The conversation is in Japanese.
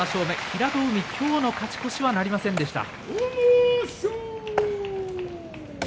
平戸海は今日の勝ち越しはなりませんでした。